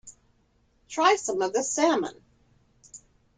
Try some of this salmon.